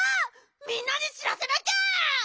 みんなにしらせなきゃ！